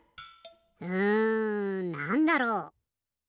うんなんだろう？